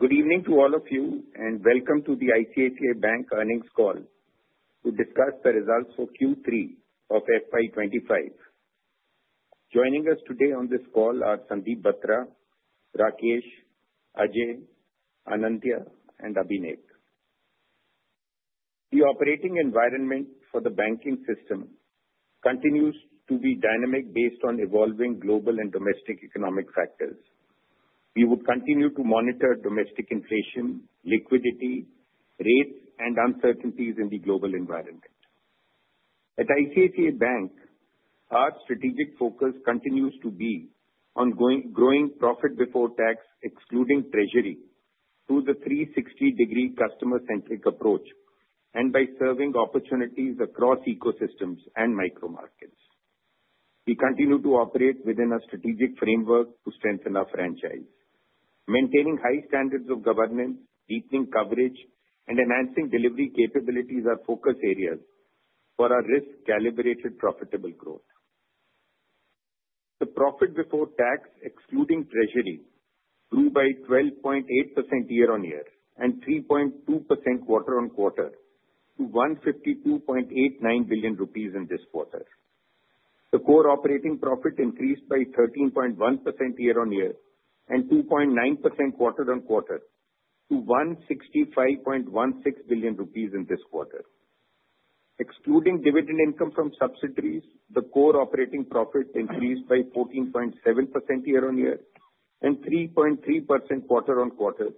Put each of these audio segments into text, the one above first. Good evening to all of you, and welcome to the ICICI Bank earnings call to discuss the results for Q3 of FY25. Joining us today on this call are Sandeep Batra, Rakesh, Ajay, Anindya, and Abhinav. The operating environment for the banking system continues to be dynamic based on evolving global and domestic economic factors. We would continue to monitor domestic inflation, liquidity, rates, and uncertainties in the global environment. At ICICI Bank, our strategic focus continues to be on growing profit before tax, excluding treasury, through the 360-degree customer-centric approach, and by serving opportunities across ecosystems and micro-markets. We continue to operate within a strategic framework to strengthen our franchise. Maintaining high standards of governance, deepening coverage, and enhancing delivery capabilities are focus areas for our risk-calibrated profitable growth. The profit before tax, excluding treasury, grew by 12.8% year-on-year and 3.2% quarter-on-quarter to 152.89 billion rupees in this quarter. The core operating profit increased by 13.1% year-on-year and 2.9% quarter-on-quarter to 165.16 billion rupees in this quarter. Excluding dividend income from subsidiaries, the core operating profit increased by 14.7% year-on-year and 3.3% quarter-on-quarter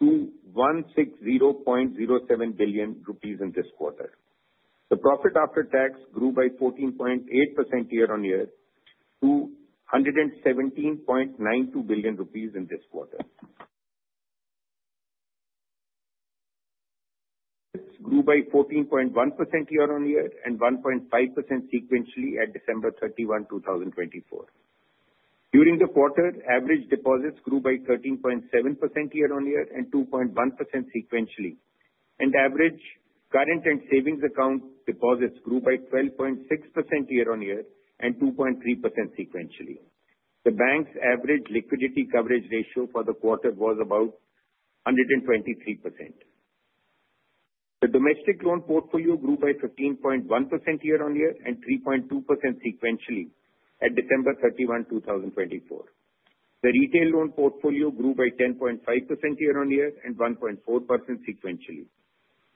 to 160.07 billion in this quarter. The profit after tax grew by 14.8% year-on-year to 117.92 billion rupees in this quarter. It grew by 14.1% year-on-year and 1.5% sequentially at December 31, 2024. During the quarter, average deposits grew by 13.7% year-on-year and 2.1% sequentially, and average current and savings account deposits grew by 12.6% year-on-year and 2.3% sequentially. The bank's average liquidity coverage ratio for the quarter was about 123%. The domestic loan portfolio grew by 15.1% year-on-year and 3.2% sequentially at December 31, 2024. The retail loan portfolio grew by 10.5% year-on-year and 1.4% sequentially.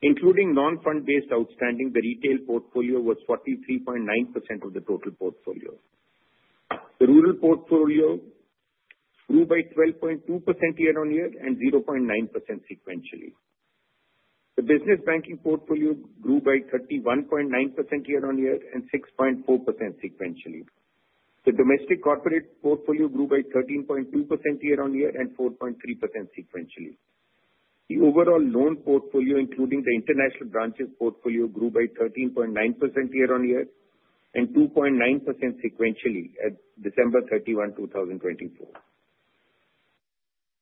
Including non-fund-based outstanding, the retail portfolio was 43.9% of the total portfolio. The rural portfolio grew by 12.2% year-on-year and 0.9% sequentially. The business banking portfolio grew by 31.9% year-on-year and 6.4% sequentially. The domestic corporate portfolio grew by 13.2% year-on-year and 4.3% sequentially. The overall loan portfolio, including the international branches portfolio, grew by 13.9% year-on-year and 2.9% sequentially at December 31, 2024.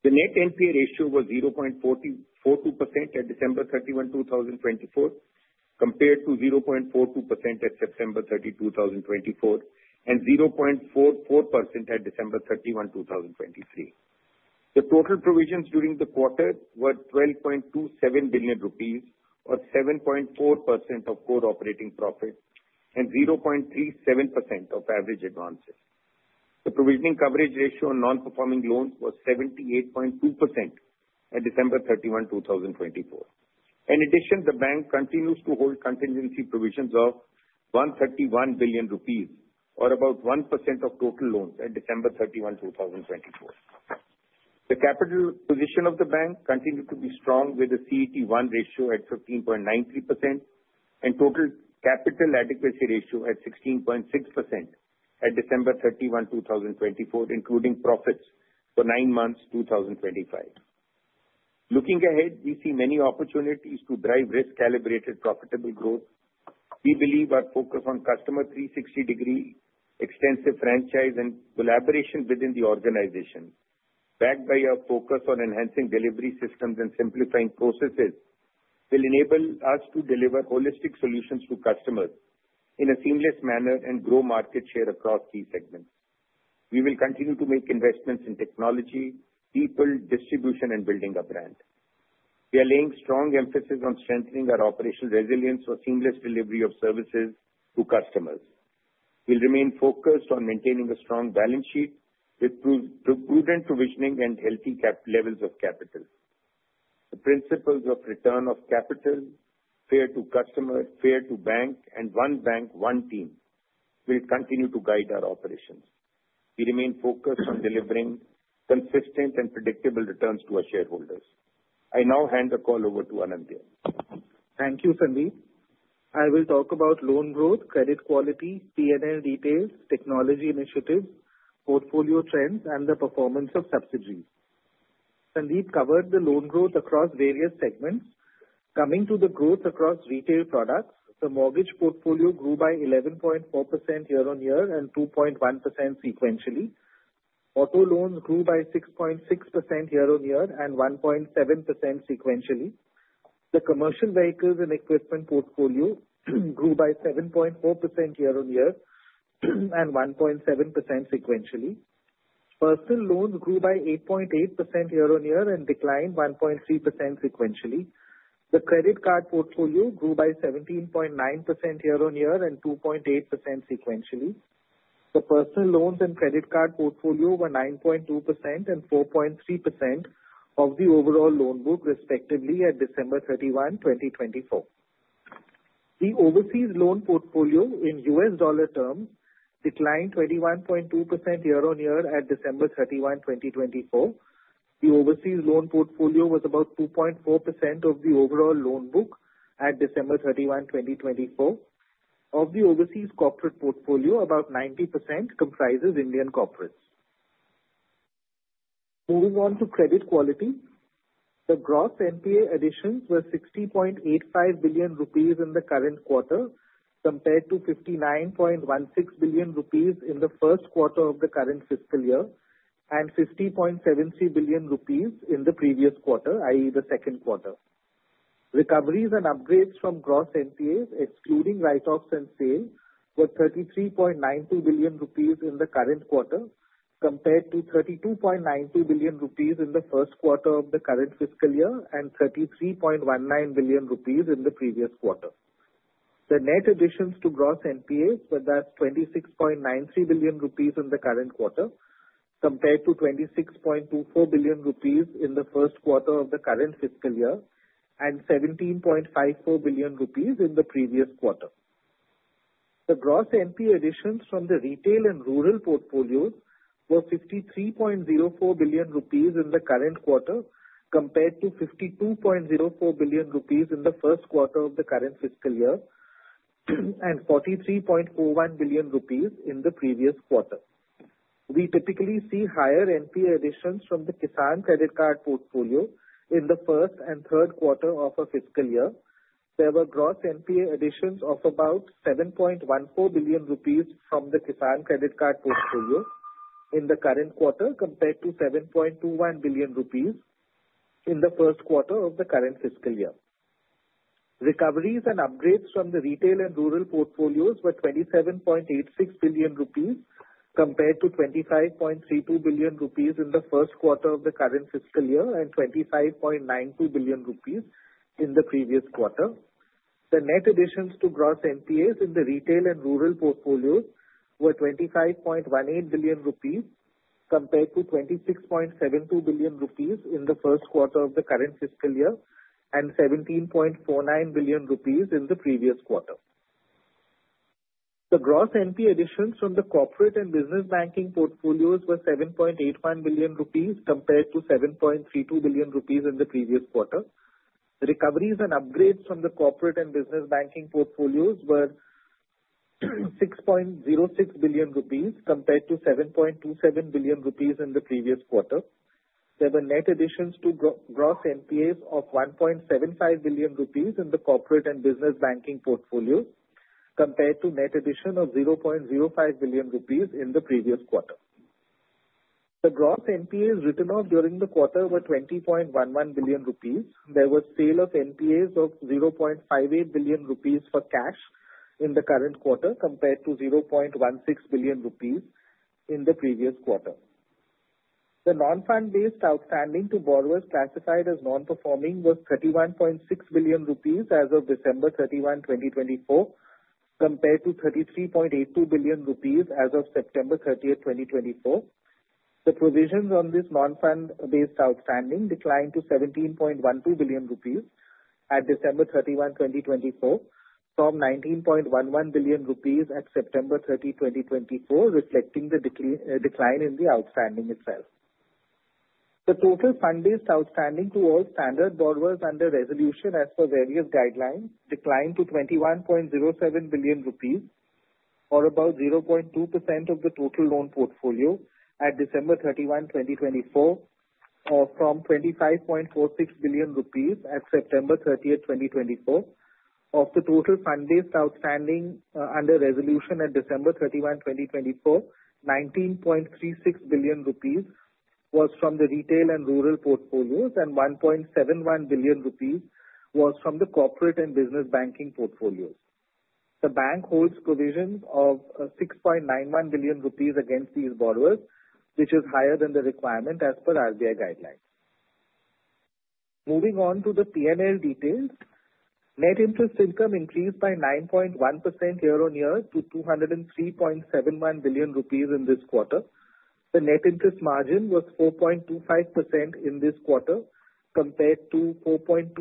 The net NPA ratio was 0.42% at December 31, 2024, compared to 0.42% at September 30, 2024, and 0.44% at December 31, 2023. The total provisions during the quarter were 12.27 billion rupees, or 7.4% of core operating profit, and 0.37% of average advances. The provisioning coverage ratio on non-performing loans was 78.2% at December 31, 2024. In addition, the bank continues to hold contingency provisions of 131 billion rupees, or about 1% of total loans, at December 31, 2024. The capital position of the bank continued to be strong, with a CET1 ratio at 15.93% and total capital adequacy ratio at 16.6% at December 31, 2024, including profits for nine months 2025. Looking ahead, we see many opportunities to drive risk-calibrated profitable growth. We believe our focus on Customer 360-degree extensive franchise and collaboration within the organization, backed by our focus on enhancing delivery systems and simplifying processes, will enable us to deliver holistic solutions to customers in a seamless manner and grow market share across key segments. We will continue to make investments in technology, people, distribution, and building a brand. We are laying strong emphasis on strengthening our operational resilience for seamless delivery of services to customers. We'll remain focused on maintaining a strong balance sheet with prudent provisioning and healthy levels of capital. The principles of return of capital, Fair to Customer, Fair to Bank, and One Bank, One Team will continue to guide our operations. We remain focused on delivering consistent and predictable returns to our shareholders. I now hand the call over to Anindya. Thank you, Sandeep. I will talk about loan growth, credit quality, non-retail, technology initiatives, portfolio trends, and the performance of subsidiaries. Sandeep covered the loan growth across various segments. Coming to the growth across retail products, the mortgage portfolio grew by 11.4% year-on-year and 2.1% sequentially. Auto loans grew by 6.6% year-on-year and 1.7% sequentially. The commercial vehicles and equipment portfolio grew by 7.4% year-on-year and 1.7% sequentially. Personal loans grew by 8.8% year-on-year and declined 1.3% sequentially. The credit card portfolio grew by 17.9% year-on-year and 2.8% sequentially. The personal loans and credit card portfolio were 9.2% and 4.3% of the overall loan book, respectively, at December 31, 2024. The overseas loan portfolio, in U.S. dollar terms, declined 21.2% year-on-year at December 31, 2024. The overseas loan portfolio was about 2.4% of the overall loan book at December 31, 2024. Of the overseas corporate portfolio, about 90% comprises Indian corporates. Moving on to credit quality, the gross NPA additions were 60.85 billion rupees in the current quarter, compared to 59.16 billion rupees in the first quarter of the current fiscal year and 50.73 billion rupees in the previous quarter, i.e., the second quarter. Recoveries and upgrades from gross NPAs, excluding write-offs and sales, were 33.92 billion rupees in the current quarter, compared to 32.92 billion rupees in the first quarter of the current fiscal year and 33.19 billion rupees in the previous quarter. The net additions to gross NPAs were 26.93 billion rupees in the current quarter, compared to 26.24 billion rupees in the first quarter of the current fiscal year and 17.54 billion rupees in the previous quarter. The gross NPA additions from the retail and rural portfolios were 53.04 billion rupees in the current quarter, compared to 52.04 billion rupees in the first quarter of the current fiscal year and 43.41 billion rupees in the previous quarter. We typically see higher NPA additions from the Kisan Credit Card portfolio in the first and third quarter of a fiscal year. There were gross NPA additions of about 7.14 billion rupees from the Kisan Credit Card portfolio in the current quarter, compared to 7.21 billion rupees in the first quarter of the current fiscal year. Recoveries and upgrades from the retail and rural portfolios were 27.86 billion rupees, compared to 25.32 billion rupees in the first quarter of the current fiscal year and 25.92 billion rupees in the previous quarter. The net additions to gross NPAs in the retail and rural portfolios were 25.18 billion rupees, compared to 26.72 billion rupees in the first quarter of the current fiscal year and 17.49 billion rupees in the previous quarter. The gross NPA additions from the corporate and business banking portfolios were 7.81 billion rupees, compared to 7.32 billion rupees in the previous quarter. Recoveries and upgrades from the corporate and business banking portfolios were 6.06 billion rupees, compared to 7.27 billion rupees in the previous quarter. There were net additions to gross NPAs of 1.75 billion rupees in the corporate and business banking portfolios, compared to net addition of 0.05 billion rupees in the previous quarter. The gross NPAs written off during the quarter were 20.11 billion rupees. There was sale of NPAs of 0.58 billion rupees for cash in the current quarter, compared to 0.16 billion rupees in the previous quarter. The non-fund-based outstanding to borrowers classified as non-performing was 31.6 billion rupees as of December 31, 2024, compared to 33.82 billion rupees as of September 30, 2024. The provisions on this non-fund-based outstanding declined to 17.12 billion rupees at December 31, 2024, from 19.11 billion rupees at September 30, 2024, reflecting the decline in the outstanding itself. The total fund-based outstanding to all standard borrowers under resolution as per various guidelines declined to 21.07 billion rupees, or about 0.2% of the total loan portfolio at December 31, 2024, from 25.46 billion rupees at September 30, 2024. Of the total fund-based outstanding under resolution at December 31, 2024, 19.36 billion rupees was from the retail and rural portfolios, and 1.71 billion rupees was from the corporate and business banking portfolios. The bank holds provisions of 6.91 billion rupees against these borrowers, which is higher than the requirement as per RBI guidelines. Moving on to the P&L details, net interest income increased by 9.1% year-on-year to 203.71 billion rupees in this quarter. The net interest margin was 4.25% in this quarter, compared to 4.27%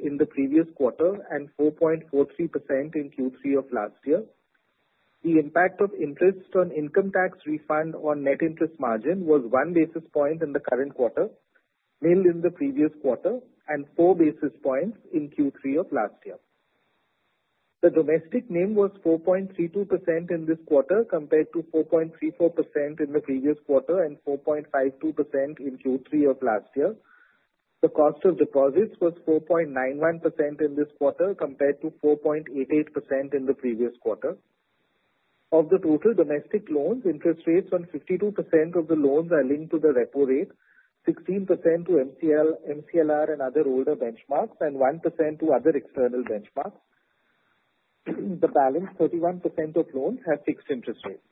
in the previous quarter and 4.43% in Q3 of last year. The impact of interest on income tax refund on net interest margin was one basis point in the current quarter, nil in the previous quarter, and four basis points in Q3 of last year. The domestic NIM was 4.32% in this quarter, compared to 4.34% in the previous quarter and 4.52% in Q3 of last year. The cost of deposits was 4.91% in this quarter, compared to 4.88% in the previous quarter. Of the total domestic loans, interest rates on 52% of the loans are linked to the repo rate, 16% to MCLR and other older benchmarks, and 1% to other external benchmarks. The balance, 31% of loans, have fixed interest rates.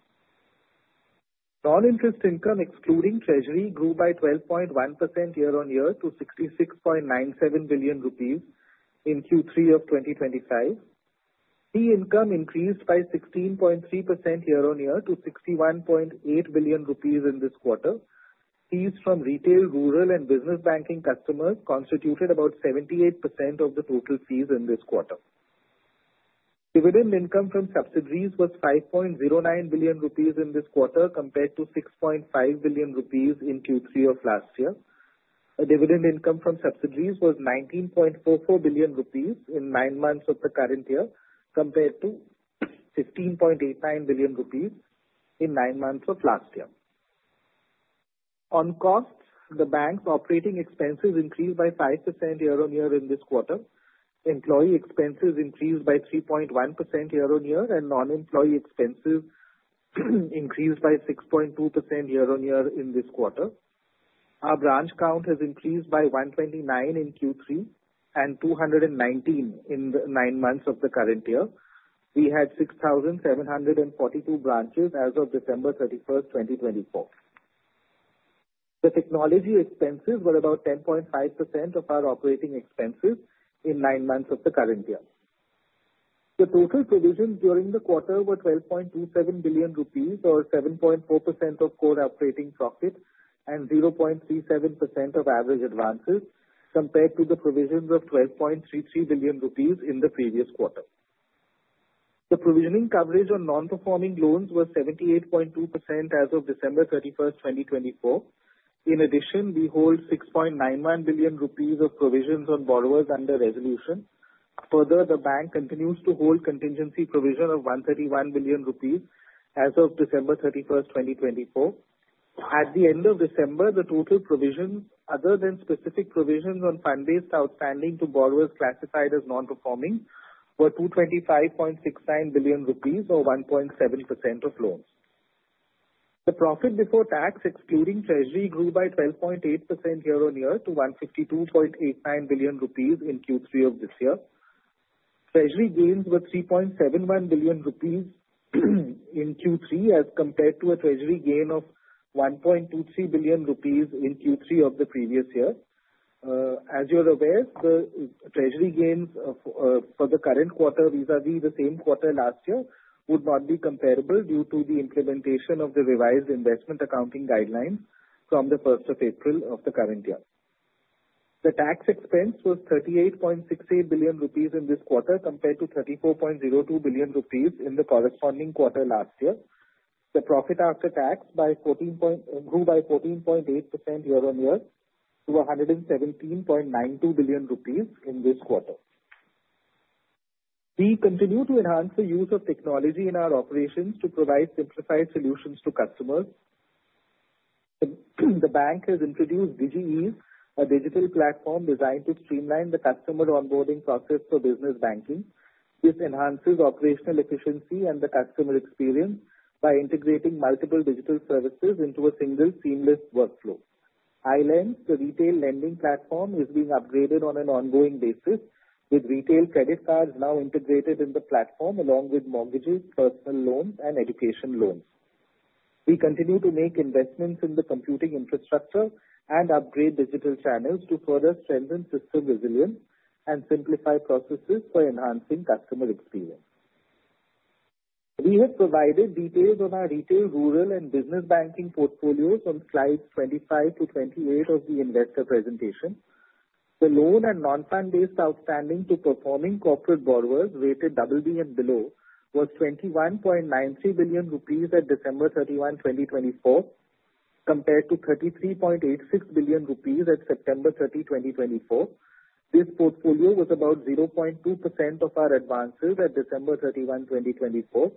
Non-interest income, excluding treasury, grew by 12.1% year-on-year to 66.97 billion rupees in Q3 of 2025. Fee income increased by 16.3% year-on-year to 61.8 billion rupees in this quarter. Fees from retail, rural, and business banking customers constituted about 78% of the total fees in this quarter. Dividend income from subsidiaries was 5.09 billion rupees in this quarter, compared to 6.5 billion rupees in Q3 of last year. Dividend income from subsidiaries was 19.44 billion rupees in nine months of the current year, compared to 15.89 billion rupees in nine months of last year. On costs, the bank's operating expenses increased by 5% year-on-year in this quarter. Employee expenses increased by 3.1% year-on-year, and non-employee expenses increased by 6.2% year-on-year in this quarter. Our branch count has increased by 129 in Q3 and 219 in nine months of the current year. We had 6,742 branches as of December 31, 2024. The technology expenses were about 10.5% of our operating expenses in nine months of the current year. The total provisions during the quarter were 12.27 billion rupees, or 7.4% of core operating profit and 0.37% of average advances, compared to the provisions of 12.33 billion rupees in the previous quarter. The provisioning coverage on non-performing loans was 78.2% as of December 31, 2024. In addition, we hold 6.91 billion rupees of provisions on borrowers under resolution. Further, the bank continues to hold contingency provision of 131 billion rupees as of December 31, 2024. At the end of December, the total provisions, other than specific provisions on fund-based outstanding to borrowers classified as non-performing, were 225.69 billion rupees, or 1.7% of loans. The profit before tax, excluding treasury, grew by 12.8% year-on-year to 152.89 billion rupees in Q3 of this year. Treasury gains were 3.71 billion rupees in Q3, as compared to a treasury gain of 1.23 billion rupees in Q3 of the previous year. As you're aware, the treasury gains for the current quarter, vis-à-vis the same quarter last year, would not be comparable due to the implementation of the revised investment accounting guidelines from the 1st of April of the current year. The tax expense was 38.68 billion rupees in this quarter, compared to 34.02 billion rupees in the corresponding quarter last year. The profit after tax grew by 14.8% year-on-year to 117.92 billion rupees in this quarter. We continue to enhance the use of technology in our operations to provide simplified solutions to customers. The bank has introduced DigiEase, a digital platform designed to streamline the customer onboarding process for business banking. This enhances operational efficiency and the customer experience by integrating multiple digital services into a single, seamless workflow. iLens, the retail lending platform, is being upgraded on an ongoing basis, with retail credit cards now integrated in the platform, along with mortgages, personal loans, and education loans. We continue to make investments in the computing infrastructure and upgrade digital channels to further strengthen system resilience and simplify processes for enhancing customer experience. We have provided details on our retail, rural, and business banking portfolios on slides 25 to 28 of the investor presentation. The loan and non-fund-based outstanding to performing corporate borrowers rated BB and below was 21.93 billion rupees at December 31, 2024, compared to 33.86 billion rupees at September 30, 2024. This portfolio was about 0.2% of our advances at December 31, 2024.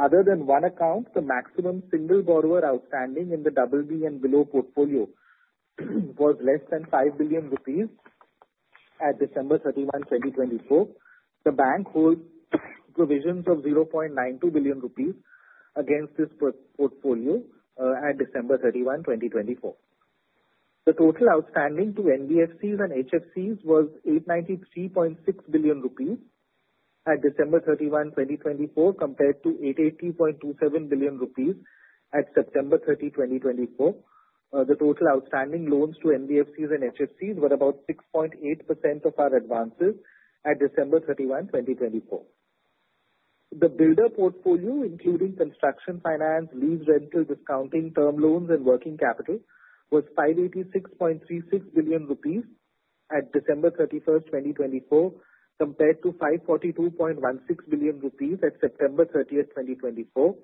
Other than one account, the maximum single borrower outstanding in the BB and below portfolio was less than 5 billion rupees at December 31, 2024. The bank holds provisions of ₹0.92 billion against this portfolio at December 31, 2024. The total outstanding to NBFCs and HFCs was ₹893.6 billion at December 31, 2024, compared to ₹880.27 billion at September 30, 2024. The total outstanding loans to NBFCs and HFCs were about 6.8% of our advances at December 31, 2024. The builder portfolio, including construction finance, lease rental discounting, term loans, and working capital, was ₹586.36 billion at December 31, 2024, compared to ₹542.16 billion at September 30, 2024.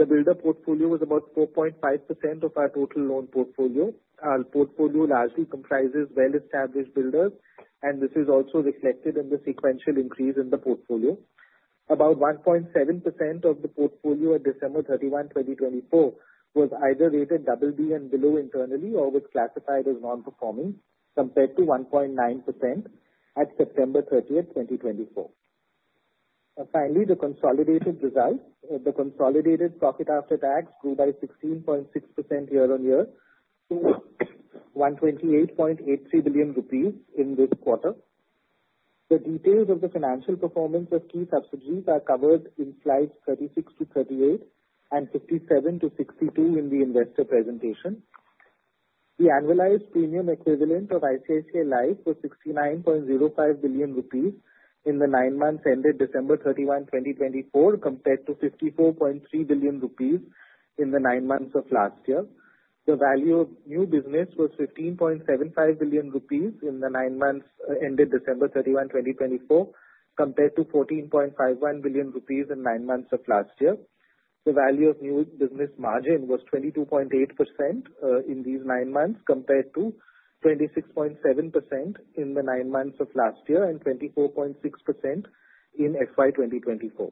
The builder portfolio was about 4.5% of our total loan portfolio. Our portfolio largely comprises well-established builders, and this is also reflected in the sequential increase in the portfolio. About 1.7% of the portfolio at December 31, 2024, was either rated BB and below internally or was classified as non-performing, compared to 1.9% at September 30, 2024. Finally, the consolidated results, the consolidated profit after tax, grew by 16.6% year-on-year to 128.83 billion rupees in this quarter. The details of the financial performance of key subsidiaries are covered in slides 36-38 and 57-62 in the investor presentation. The annualized premium equivalent of ICICI Life was 69.05 billion rupees in the nine months ended December 31, 2024, compared to 54.3 billion rupees in the nine months of last year. The value of new business was INR 15.75 billion in the nine months ended December 31, 2024, compared to 14.51 billion rupees in nine months of last year. The value of new business margin was 22.8% in these nine months, compared to 26.7% in the nine months of last year and 24.6% in FY 2024.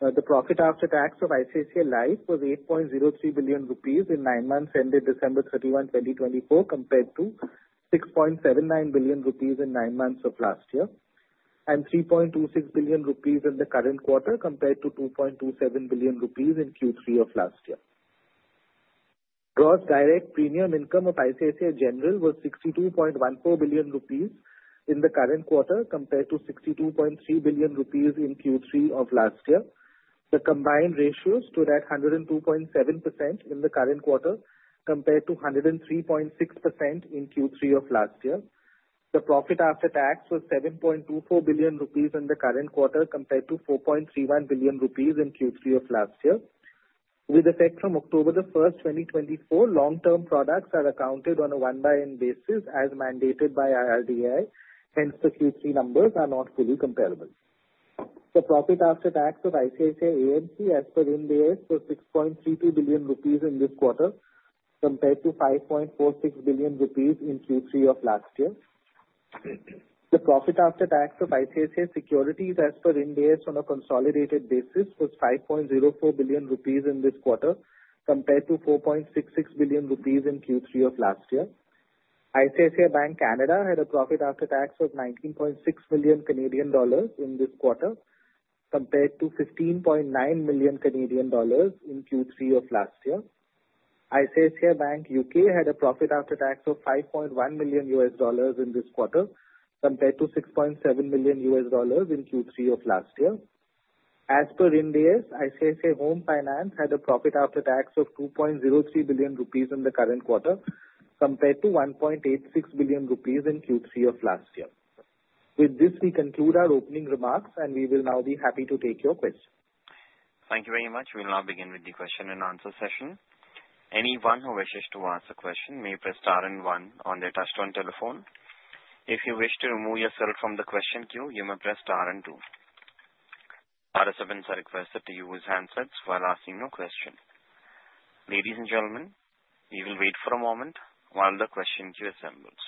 The profit after tax of ICICI Life was 8.03 billion rupees in nine months ended December 31, 2024, compared to 6.79 billion rupees in nine months of last year, and 3.26 billion rupees in the current quarter, compared to 2.27 billion rupees in Q3 of last year. Gross direct premium income of ICICI General was 62.14 billion rupees in the current quarter, compared to 62.3 billion rupees in Q3 of last year. The combined ratio stood at 102.7% in the current quarter, compared to 103.6% in Q3 of last year. The profit after tax was 7.24 billion rupees in the current quarter, compared to 4.31 billion rupees in Q3 of last year. With effect from October 1, 2024, long-term products are accounted on a one-by-one basis as mandated by IRDA. Hence, the Q3 numbers are not fully comparable. The profit after tax of ICICI AMC, as per Ind AS, was 6.32 billion rupees in this quarter, compared to 5.46 billion rupees in Q3 of last year. The profit after tax of ICICI Securities, as per Ind AS, on a consolidated basis was 5.04 billion rupees in this quarter, compared to 4.66 billion rupees in Q3 of last year. ICICI Bank Canada had a profit after tax of 19.6 million Canadian dollars in this quarter, compared to 15.9 million Canadian dollars in Q3 of last year. ICICI Bank UK had a profit after tax of $5.1 million in this quarter, compared to $6.7 million in Q3 of last year. As per Ind AS, ICICI Home Finance had a profit after tax of 2.03 billion rupees in the current quarter, compared to 1.86 billion rupees in Q3 of last year. With this, we conclude our opening remarks, and we will now be happy to take your questions. Thank you very much. We'll now begin with the question and answer session. Anyone who wishes to ask a question may press star and one on their touchtone telephone. If you wish to remove yourself from the question queue, you may press star and two. Participants are requested to use handsets while asking your question. Ladies and gentlemen, we will wait for a moment while the question queue assembles.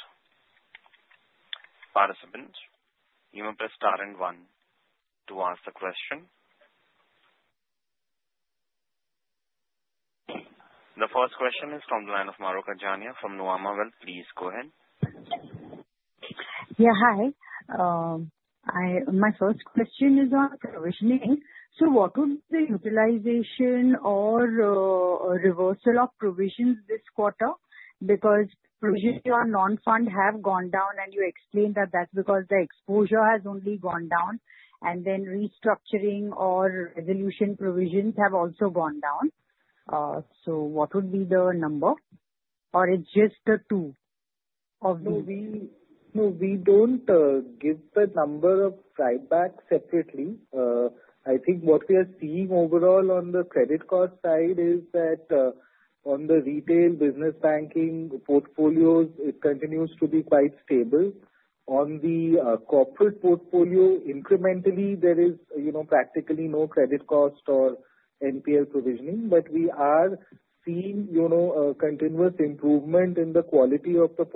Participants, you may press star and one to ask the question. The first question is from the line of Mahrukh Adajania from Nuvama Wealth. Please go ahead. Yeah, hi. My first question is on provisioning. So what would be the utilization or reversal of provisions this quarter? Because provisions on non-fund-based have gone down, and you explained that that's because the exposure has only gone down, and then restructuring or resolution provisions have also gone down. So what would be the number? Or it's just the two of these? No, we don't give the number of write-back separately. I think what we are seeing overall on the credit cost side is that on the retail business banking portfolios, it continues to be quite stable. On the corporate portfolio, incrementally, there is practically no credit cost or NPL provisioning, but we are seeing continuous improvement in the quality of the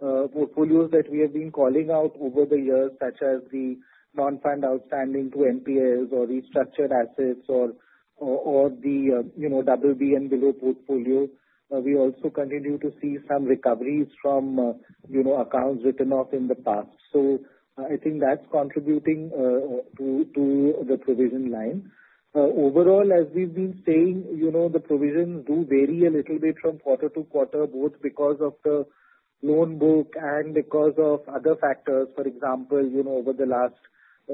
portfolios that we have been calling out over the years, such as the non-fund-based outstanding to NPLs or restructured assets or the BB and below portfolio. We also continue to see some recoveries from accounts written off in the past. So I think that's contributing to the provision line. Overall, as we've been saying, the provisions do vary a little bit from quarter to quarter, both because of the loan book and because of other factors. For example, over the last,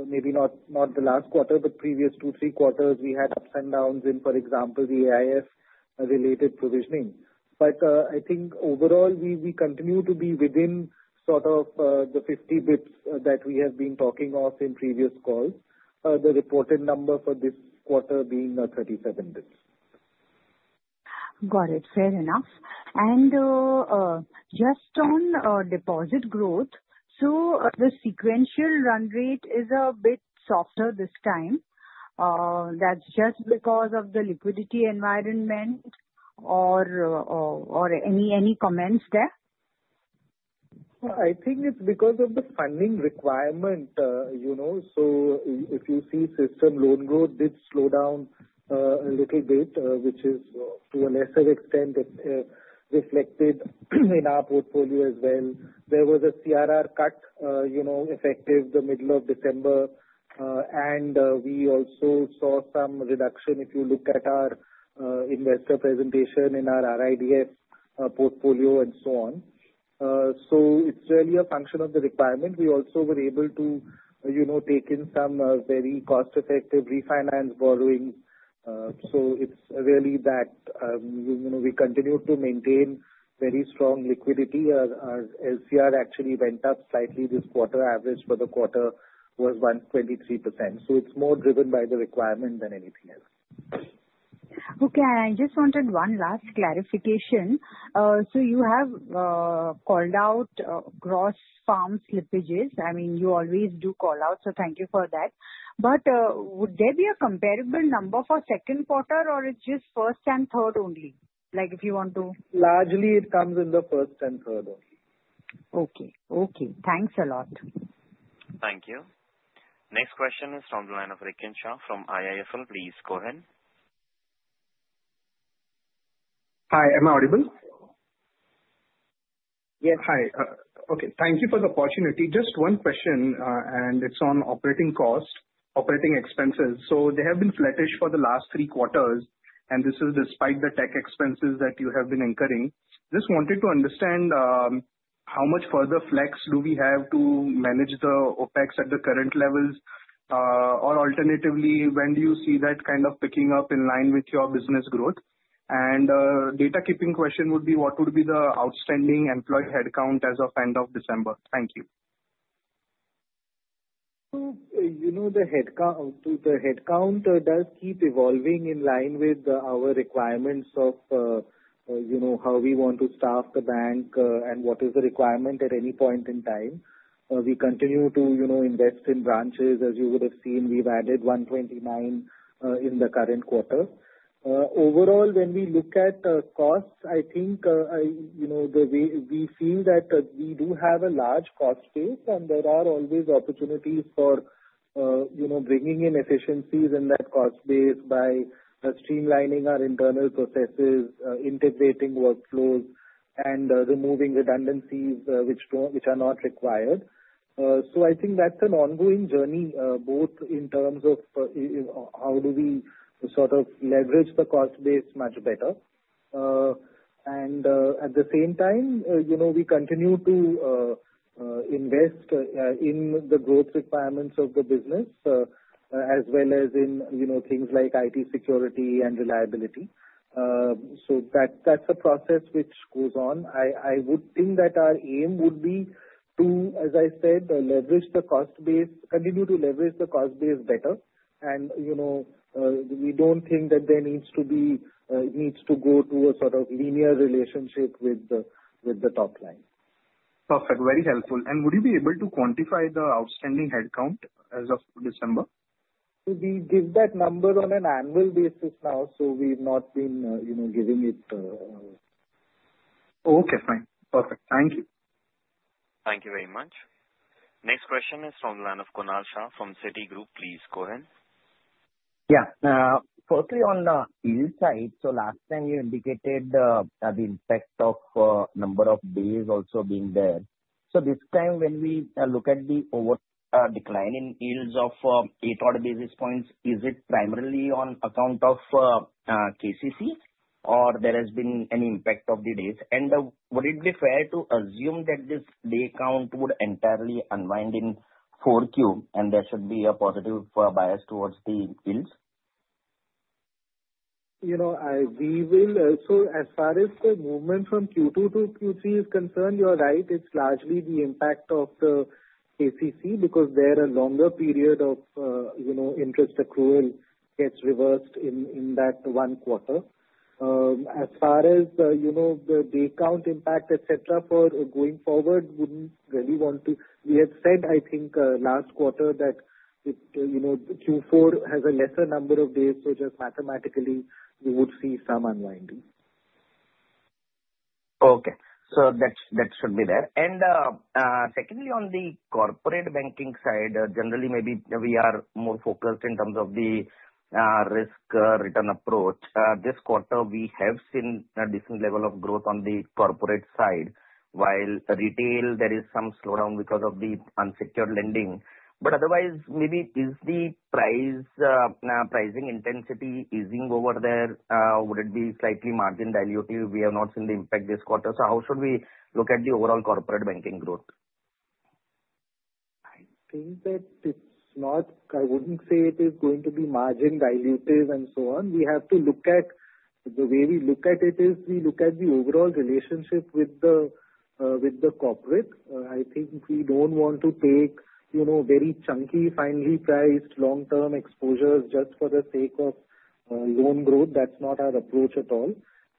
maybe not the last quarter, but previous two, three quarters, we had ups and downs in, for example, the AIF-related provisioning. But I think overall, we continue to be within sort of the 50 basis points that we have been talking of in previous calls, the reported number for this quarter being 37 basis points. Got it. Fair enough. And just on deposit growth, so the sequential run rate is a bit softer this time. That's just because of the liquidity environment or any comments there? I think it's because of the funding requirement. So if you see system loan growth did slow down a little bit, which is to a lesser extent reflected in our portfolio as well. There was a CRR cut effective the middle of December, and we also saw some reduction if you look at our investor presentation in our RIDF portfolio and so on. So it's really a function of the requirement. We also were able to take in some very cost-effective refinance borrowing. So it's really that we continue to maintain very strong liquidity. Our LCR actually went up slightly this quarter. Average for the quarter was 123%. So it's more driven by the requirement than anything else. Okay. I just wanted one last clarification. So you have called out gross farm slippages. I mean, you always do call out, so thank you for that. But would there be a comparable number for second quarter, or it's just first and third only, if you want to? Largely, it comes in the first and third only. Okay. Okay. Thanks a lot. Thank you. Next question is from the line of Rikin Shah from IIFL. Please go ahead. Hi. Am I audible? Yes. Hi. Okay. Thank you for the opportunity. Just one question, and it's on operating cost, operating expenses. So there have been flattish for the last three quarters, and this is despite the tech expenses that you have been incurring. Just wanted to understand how much further flex do we have to manage the OPEX at the current levels, or alternatively, when do you see that kind of picking up in line with your business growth? And housekeeping question would be, what would be the outstanding employee headcount as of end of December? Thank you. The headcount does keep evolving in line with our requirements of how we want to staff the bank and what is the requirement at any point in time. We continue to invest in branches. As you would have seen, we've added 129 in the current quarter. Overall, when we look at costs, I think we feel that we do have a large cost base, and there are always opportunities for bringing in efficiencies in that cost base by streamlining our internal processes, integrating workflows, and removing redundancies which are not required, so I think that's an ongoing journey, both in terms of how do we sort of leverage the cost base much better, and at the same time, we continue to invest in the growth requirements of the business as well as in things like IT security and reliability, so that's a process which goes on. I would think that our aim would be to, as I said, leverage the cost base, continue to leverage the cost base better. And we don't think that there needs to go to a sort of linear relationship with the top line. Perfect. Very helpful. And would you be able to quantify the outstanding headcount as of December? We give that number on an annual basis now, so we've not been giving it. Okay. Fine. Perfect. Thank you. Thank you very much. Next question is from the line of Kunal Shah from Citigroup. Please go ahead. Yeah. Firstly, on the yield side, so last time you indicated the impact of number of days also being there. So this time, when we look at the overall decline in yields of 80-odd basis points, is it primarily on account of KCC, or there has been any impact of the days? And would it be fair to assume that this day count would entirely unwind in Q4, and there should be a positive bias towards the yields? We will. So as far as the movement from Q2 to Q3 is concerned, you're right. It's largely the impact of the KCC because there's a longer period of interest accrual gets reversed in that one quarter. As far as the day count impact, etc., for going forward, wouldn't really want to. We had said, I think, last quarter that Q4 has a lesser number of days, so just mathematically, we would see some unwinding. Okay. So that should be there. And secondly, on the corporate banking side, generally, maybe we are more focused in terms of the risk return approach. This quarter, we have seen a decent level of growth on the corporate side. While retail, there is some slowdown because of the unsecured lending. But otherwise, maybe is the pricing intensity easing over there? Would it be slightly margin dilutive? We have not seen the impact this quarter. So how should we look at the overall corporate banking growth? I think that it's not. I wouldn't say it is going to be margin dilutive and so on. We have to look at the way we look at it is we look at the overall relationship with the corporate. I think we don't want to take very chunky, finely priced long-term exposures just for the sake of loan growth. That's not our approach at all.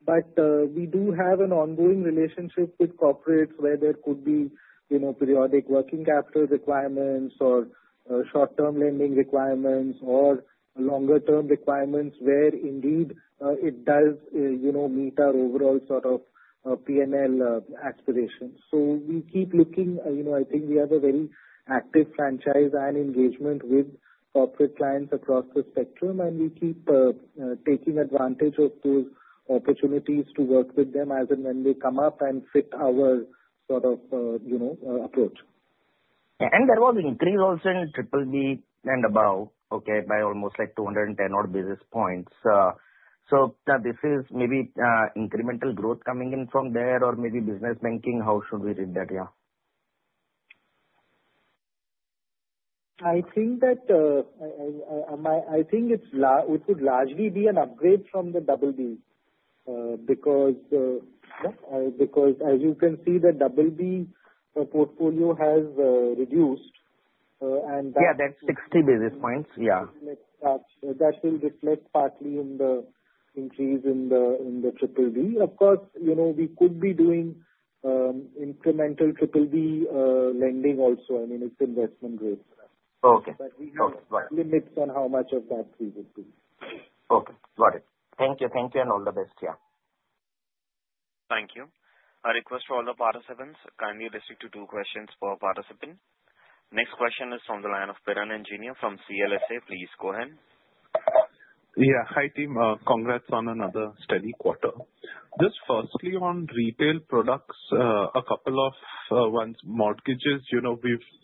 But we do have an ongoing relationship with corporates where there could be periodic working capital requirements or short-term lending requirements or longer-term requirements where indeed it does meet our overall sort of P&L aspirations. So we keep looking. I think we have a very active franchise and engagement with corporate clients across the spectrum, and we keep taking advantage of those opportunities to work with them as and when they come up and fit our sort of approach. And there was an increase also in BB and above, okay, by almost like 210-odd basis points. So this is maybe incremental growth coming in from there or maybe business banking. How should we read that? Yeah. I think that it would largely be an upgrade from the BB because, as you can see, the BB portfolio has reduced. And that's. Yeah, that's 60 basis points. Yeah. That will reflect partly in the increase in the BBB. Of course, we could be doing incremental BBB lending also. I mean, it's investment grade. But we have limits on how much of that we would do. Okay. Got it. Thank you. Thank you and all the best. Yeah. Thank you. I request for all the participants, kindly restrict to two questions per participant. Next question is from the line of Piran Engineer from CLSA. Please go ahead. Yeah. Hi, team. Congrats on another steady quarter. Just firstly on retail products, a couple of ones, mortgages,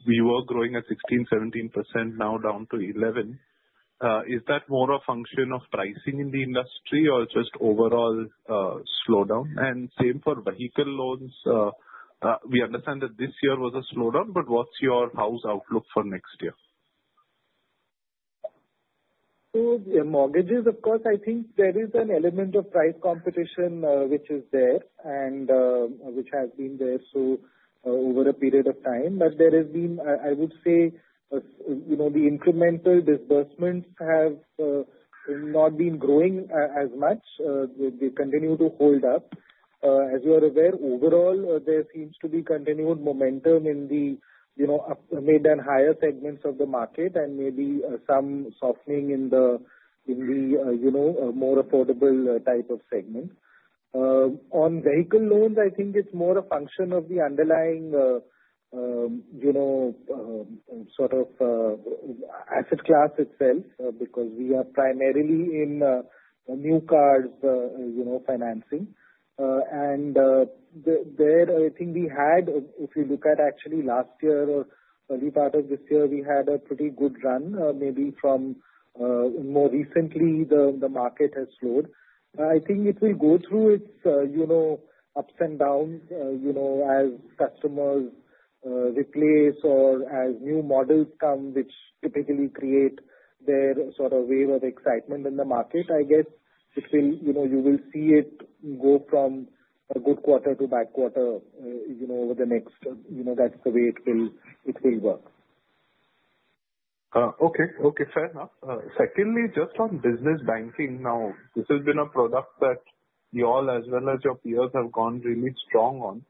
we were growing at 16%-17%, now down to 11%. Is that more a function of pricing in the industry or just overall slowdown? And same for vehicle loans. We understand that this year was a slowdown, but what's your house outlook for next year? Mortgages, of course. I think there is an element of price competition which is there and which has been there over a period of time. But there has been, I would say, the incremental disbursements have not been growing as much. They continue to hold up. As you are aware, overall, there seems to be continued momentum in the mid and higher segments of the market and maybe some softening in the more affordable type of segment. On vehicle loans, I think it's more a function of the underlying sort of asset class itself because we are primarily in new cars financing. And there, I think we had, if you look at actually last year or early part of this year, we had a pretty good run. Maybe from more recently, the market has slowed. I think it will go through its ups and downs as customers replace or as new models come, which typically create their sort of wave of excitement in the market. I guess you will see it go from a good quarter to bad quarter over the next. That's the way it will work. Okay. Okay. Fair enough. Secondly, just on business banking, now, this has been a product that you all, as well as your peers, have gone really strong on.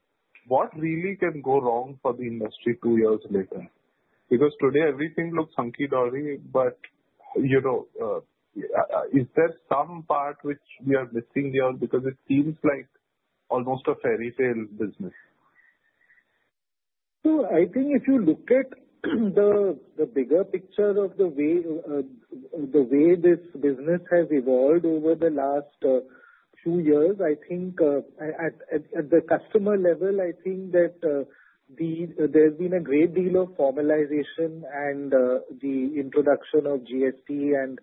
What really can go wrong for the industry two years later? Because today, everything looks hunky-dory, but is there some part which we are missing here because it seems like almost a fairy tale business? So I think if you look at the bigger picture of the way this business has evolved over the last few years, I think at the customer level, I think that there's been a great deal of formalization and the introduction of GST and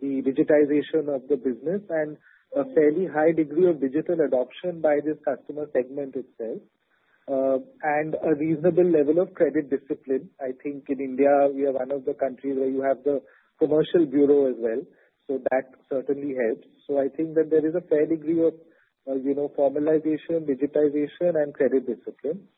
the digitization of the business and a fairly high degree of digital adoption by this customer segment itself and a reasonable level of credit discipline. I think in India, we are one of the countries where you have the credit bureau as well. So that certainly helps. So I think that there is a fair degree of formalization, digitization, and credit discipline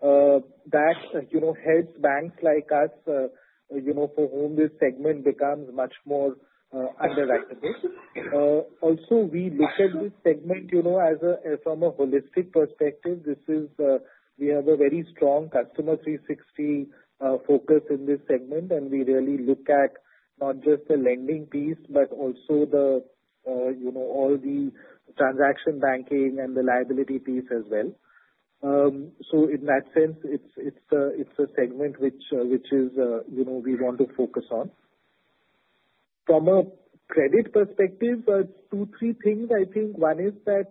that helps banks like us for whom this segment becomes much more underrated. Also, we look at this segment from a holistic perspective. We have a very strong customer 360 focus in this segment, and we really look at not just the lending piece, but also all the transaction banking and the liability piece as well. So in that sense, it's a segment which we want to focus on. From a credit perspective, two, three things. I think one is that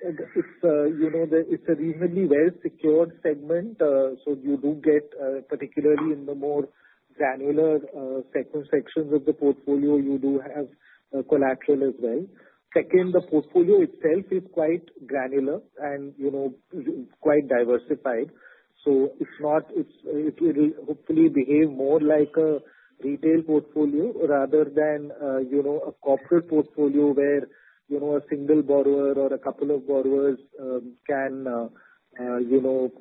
it's a reasonably well-secured segment. So you do get, particularly in the more granular sections of the portfolio, you do have collateral as well. Second, the portfolio itself is quite granular and quite diversified. So it will hopefully behave more like a retail portfolio rather than a corporate portfolio where a single borrower or a couple of borrowers can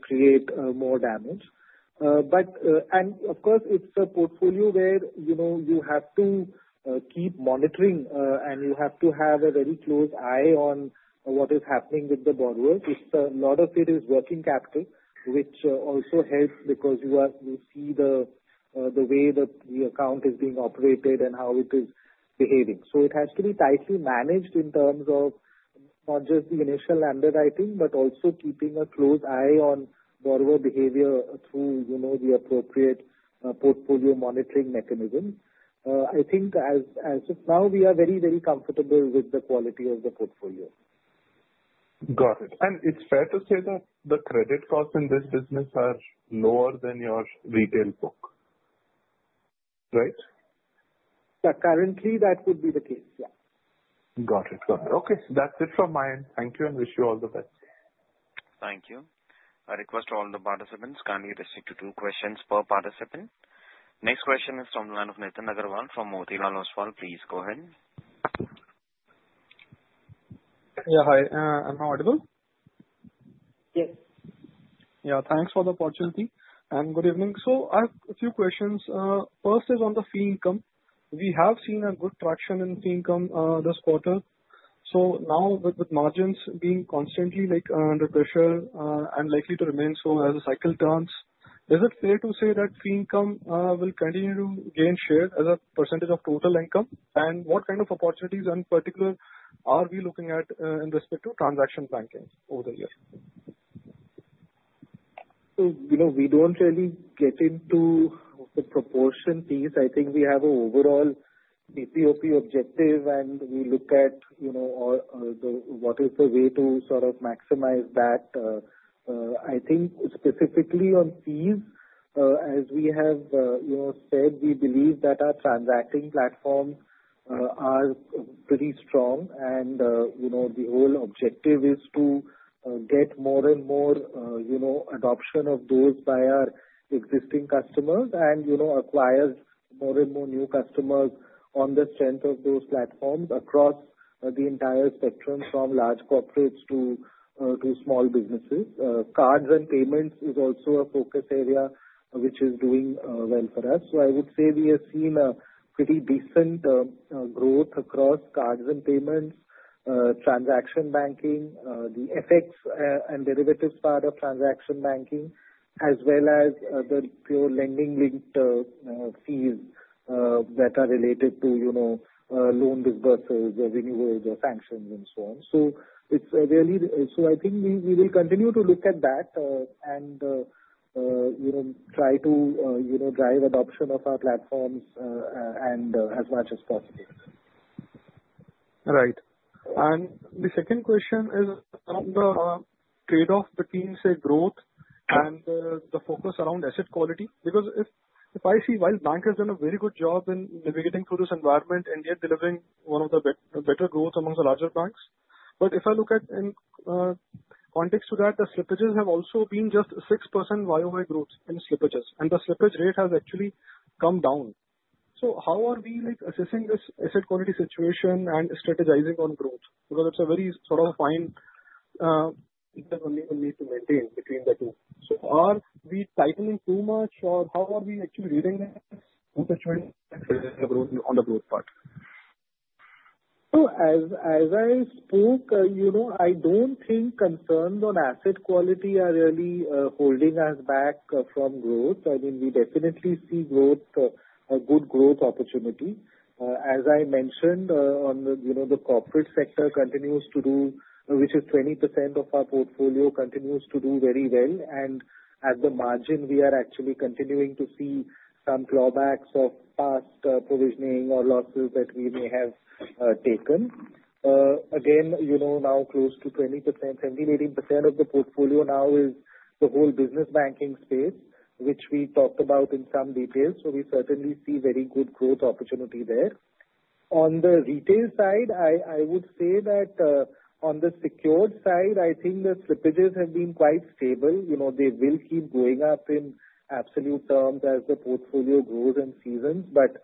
create more damage. And of course, it's a portfolio where you have to keep monitoring, and you have to have a very close eye on what is happening with the borrowers. A lot of it is working capital, which also helps because you see the way that the account is being operated and how it is behaving. So it has to be tightly managed in terms of not just the initial underwriting, but also keeping a close eye on borrower behavior through the appropriate portfolio monitoring mechanism. I think as of now, we are very, very comfortable with the quality of the portfolio. Got it. And it's fair to say that the credit costs in this business are lower than your retail book, right? Currently, that would be the case. Yeah. Got it. Got it. Okay. That's it from my end. Thank you and wish you all the best. Thank you. I request all the participants kindly restrict to two questions per participant. Next question is from the line of Nitin Aggarwal from Motilal Oswal. Please go ahead. Yeah. Hi. Am I audible? Yes. Yeah. Thanks for the opportunity and good evening, so I have a few questions. First is on the fee income. We have seen a good traction in fee income this quarter. So now, with margins being constantly under pressure and likely to remain so as the cycle turns, is it fair to say that fee income will continue to gain share as a percentage of total income? And what kind of opportunities in particular are we looking at in respect to transaction banking over the year? So we don't really get into the proportion piece. I think we have an overall PPOP objective, and we look at what is the way to sort of maximize that. I think specifically on fees, as we have said, we believe that our transacting platforms are pretty strong. And the whole objective is to get more and more adoption of those by our existing customers and acquire more and more new customers on the strength of those platforms across the entire spectrum from large corporates to small businesses. Cards and payments is also a focus area which is doing well for us. So I would say we have seen a pretty decent growth across cards and payments, transaction banking, the FX and derivatives part of transaction banking, as well as the pure lending-linked fees that are related to loan disbursals, renewals, or sanctions, and so on. So I think we will continue to look at that and try to drive adoption of our platforms as much as possible. Right. And the second question is on the trade-off between, say, growth and the focus around asset quality. Because if I see while bankers have done a very good job in navigating through this environment and yet delivering one of the better growth among the larger banks, but if I look at in context to that, the slippages have also been just 6% YoY growth in slippages, and the slippage rate has actually come down, so how are we assessing this asset quality situation and strategizing on growth? Because it's a very sort of fine line that we need to maintain between the two, so are we tightening too much, or how are we actually reading this situation on the growth part, so as I spoke, I don't think concerns on asset quality are really holding us back from growth. I mean, we definitely see a good growth opportunity. As I mentioned, the corporate sector continues to do, which is 20% of our portfolio, continues to do very well. At the margin, we are actually continuing to see some drawbacks of past provisioning or losses that we may have taken. Again, now close to 20%, 70%-80% of the portfolio now is the whole business banking space, which we talked about in some detail. We certainly see very good growth opportunity there. On the retail side, I would say that on the secured side, I think the slippages have been quite stable. They will keep going up in absolute terms as the portfolio grows and seasons. But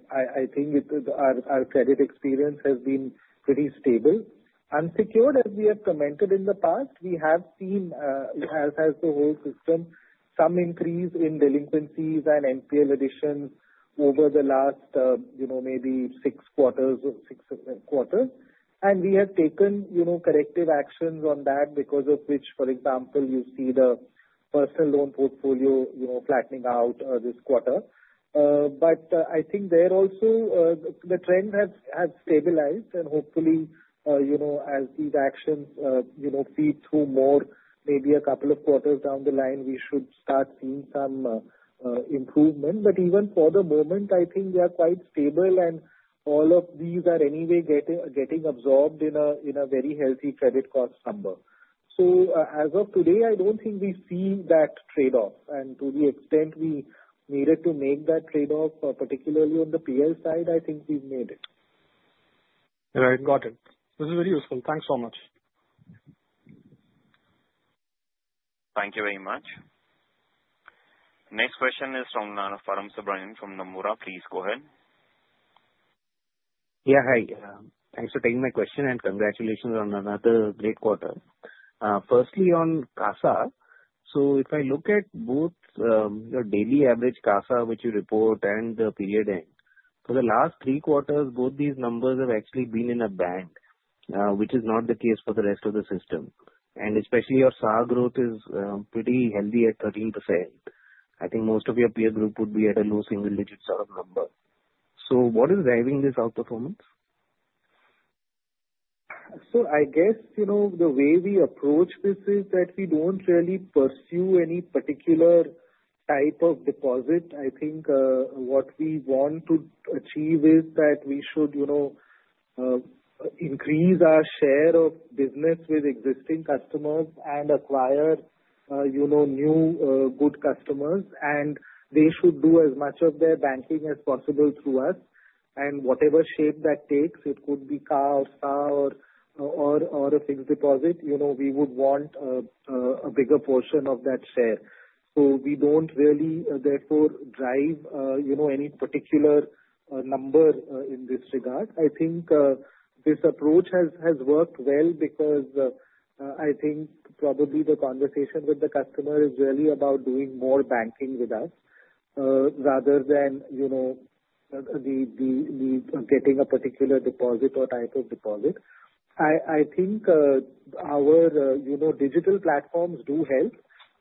I think our credit experience has been pretty stable. Unsecured, as we have commented in the past, we have seen, as has the whole system, some increase in delinquencies and NPL additions over the last maybe six quarters. We have taken corrective actions on that because of which, for example, you see the personal loan portfolio flattening out this quarter. But I think there also, the trend has stabilized. And hopefully, as these actions feed through more, maybe a couple of quarters down the line, we should start seeing some improvement. But even for the moment, I think they are quite stable, and all of these are anyway getting absorbed in a very healthy credit cost number. So as of today, I don't think we see that trade-off. And to the extent we needed to make that trade-off, particularly on the PL side, I think we've made it. Right. Got it. This is very useful. Thanks so much. Thank you very much. Next question is from the line of Param Subramanian from Nomura. Please go ahead. Yeah. Hi. Thanks for taking my question, and congratulations on another great quarter. Firstly, on CASA. So if I look at both your daily average CASA, which you report, and the period end, for the last three quarters, both these numbers have actually been in a band, which is not the case for the rest of the system. And especially your SAR growth is pretty healthy at 13%. I think most of your peer group would be at a low single-digit sort of number. So what is driving this outperformance? So I guess the way we approach this is that we don't really pursue any particular type of deposit. I think what we want to achieve is that we should increase our share of business with existing customers and acquire new good customers. And they should do as much of their banking as possible through us. And whatever shape that takes, it could be CAR or SAR or a fixed deposit. We would want a bigger portion of that share. So we don't really, therefore, drive any particular number in this regard. I think this approach has worked well because I think probably the conversation with the customer is really about doing more banking with us rather than getting a particular deposit or type of deposit. I think our digital platforms do help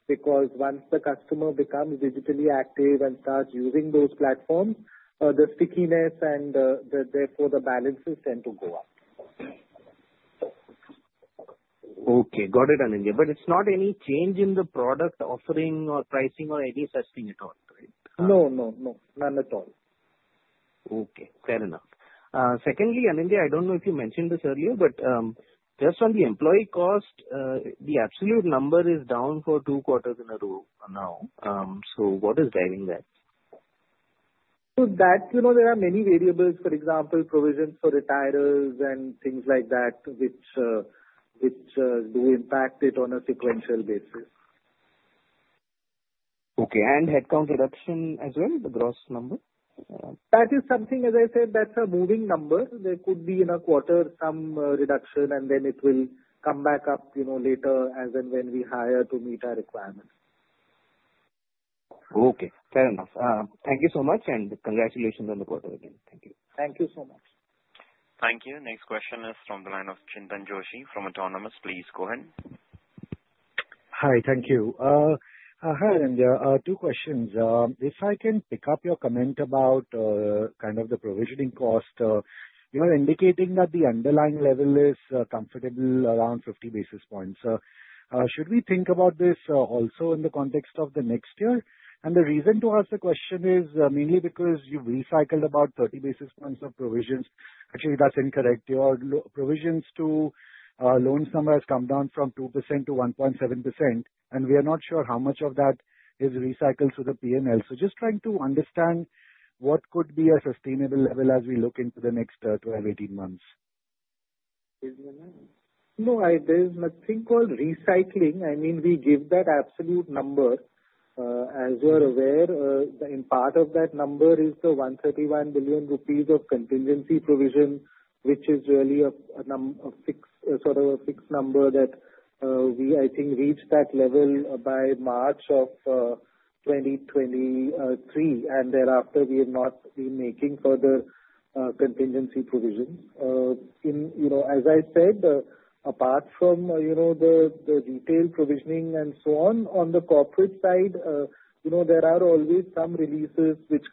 because once the customer becomes digitally active and starts using those platforms, the stickiness and therefore the balances tend to go up. Okay. Got it, Anindya. But it's not any change in the product offering or pricing or any such thing at all, right? No, no, no. None at all. Okay. Fair enough. Secondly, Anindya, I don't know if you mentioned this earlier, but just on the employee cost, the absolute number is down for two quarters in a row now. So what is driving that? There are many variables, for example, provisions for retirees and things like that, which do impact it on a sequential basis. Okay. And headcount reduction as well in the gross number? That is something, as I said, that's a moving number. There could be in a quarter some reduction, and then it will come back up later as and when we hire to meet our requirements. Okay. Fair enough. Thank you so much, and congratulations on the quarter again. Thank you. Thank you so much. Thank you. Next question is from the line of Chintan Joshi from Autonomous. Please go ahead. Hi. Thank you. Hi, Anindya. Two questions. If I can pick up your comment about kind of the provisioning cost, you are indicating that the underlying level is comfortable around 50 basis points. So should we think about this also in the context of the next year? And the reason to ask the question is mainly because you've recycled about 30 basis points of provisions. Actually, that's incorrect. Your provisions to loan sum has come down from 2% to 1.7%, and we are not sure how much of that is recycled to the P&L. So just trying to understand what could be a sustainable level as we look into the next 12-18 months. Is there a number? No, there is nothing called recycling. I mean, we give that absolute number. As you are aware, in part of that number is the 131 billion rupees of contingency provision, which is really a sort of a fixed number that we, I think, reached that level by March of 2023, and thereafter, we have not been making further contingency provisions. As I said, apart from the retail provisioning and so on, on the corporate side, there are always some releases which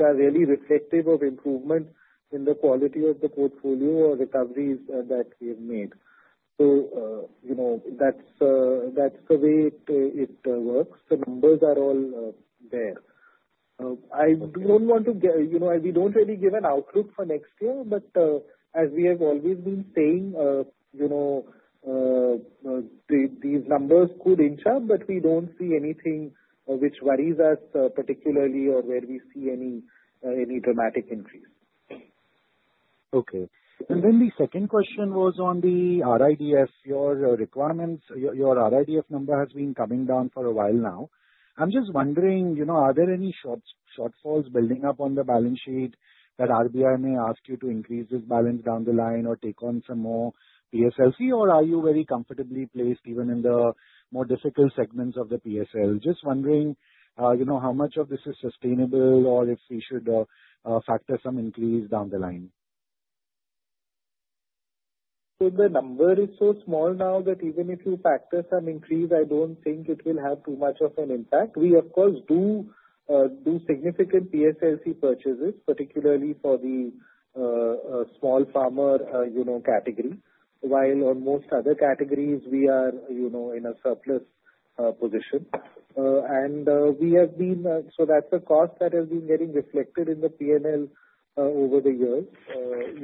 are really reflective of improvement in the quality of the portfolio or recoveries that we have made, so that's the way it works. The numbers are all there. I don't want to get we don't really give an outlook for next year, but as we have always been saying, these numbers could inch up, but we don't see anything which worries us particularly or where we see any dramatic increase. Okay, and then the second question was on the RIDF. Your RIDF number has been coming down for a while now. I'm just wondering, are there any shortfalls building up on the balance sheet that RBI may ask you to increase this balance down the line or take on some more PSLC, or are you very comfortably placed even in the more difficult segments of the PSL? Just wondering how much of this is sustainable or if we should factor some increase down the line. The number is so small now that even if you factor some increase, I don't think it will have too much of an impact. We, of course, do significant PSLC purchases, particularly for the small farmer category, while on most other categories, we are in a surplus position. And we have been so that's a cost that has been getting reflected in the P&L over the years.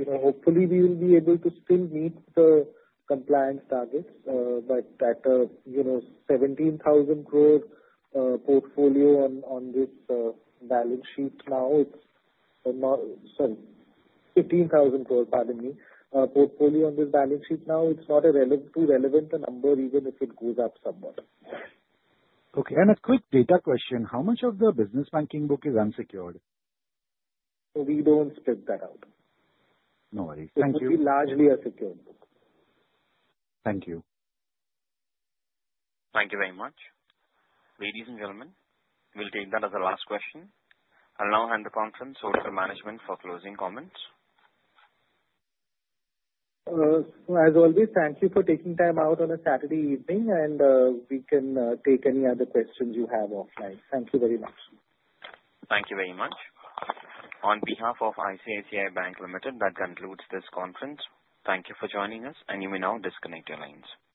Hopefully, we will be able to still meet the compliance targets, but at a 17,000 crore portfolio on this balance sheet now, it's sorry, 15,000 crore, pardon me, portfolio on this balance sheet now, it's not a too relevant a number, even if it goes up somewhat. Okay. And a quick data question. How much of the business banking book is unsecured? We don't split that out. No worries. Thank you. It will be largely a secured book. Thank you. Thank you very much. Ladies and gentlemen, we'll take that as a last question. I'll now hand the conference over to management for closing comments. As always, thank you for taking time out on a Saturday evening, and we can take any other questions you have offline. Thank you very much. Thank you very much. On behalf of ICICI Bank Limited, that concludes this conference. Thank you for joining us, and you may now disconnect your lines.